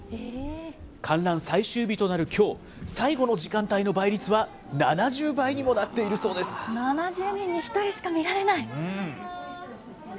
観覧最終日となるきょう、最後の時間帯の倍率は７０倍にもなって７０人に１人しか見られない！